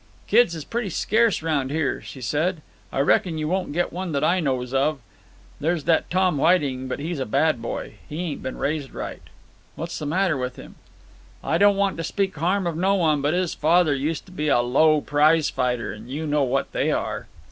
"Kids is pretty scarce round here," she said. "I reckon you won't get one that I knows of. There's that Tom Whiting, but he's a bad boy. He ain't been raised right." "What's the matter with him?" "I don't want to speak harm of no one, but his father used to be a low prize fighter, and you know what they are."